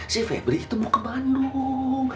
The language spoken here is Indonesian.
si febri itu mau ke bandung